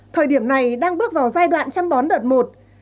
thời điểm này đang bước vào giai đoạn chăm bón đợt một